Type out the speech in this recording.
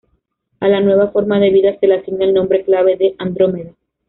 A la nueva forma de vida se le asigna el nombre clave de Andrómeda.